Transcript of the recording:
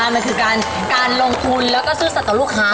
มันคือการลงทุนแล้วก็ซึ่งสัตว์ลูกค้าด้วย